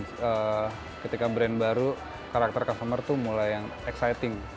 tapi ada tren ketika brand baru karakter customer itu mulai yang exciting